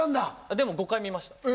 でも５回見ました。